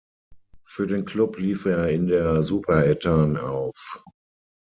Für den Klub lief er in der Superettan auf.